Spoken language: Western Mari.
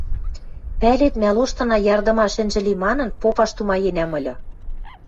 Пӓлет, мӓ лоштына ярдымаш ӹнжӹ ли манын, попаш тумаенӓм ыльы.